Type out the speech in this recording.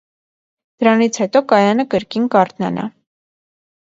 Դրանից հետո կայանը կրկին կարթնանա։